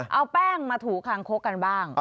เอาแป้งมาถูคางคกกันบ้าง